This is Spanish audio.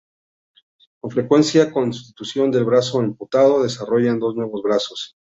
Con frecuencia, en sustitución del brazo amputado, desarrollan dos nuevos brazos.